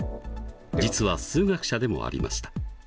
実は数学者でもありました。